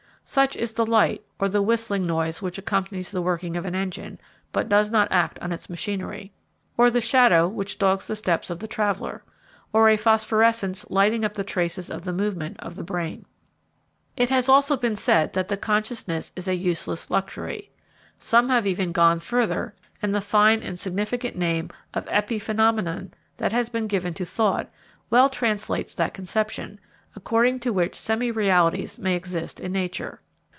Such is the light, or the whistling noise which accompanies the working of an engine, but does not act on its machinery. Or, the shadow which dogs the steps of the traveller. Or a phosphorescence lighting up the traces of the movements of the brain. It has also been said that the consciousness is a useless luxury. Some have even gone further, and the fine and significant name of epiphenomenon, that has been given to thought, well translates that conception, according to which semi realities may exist in nature.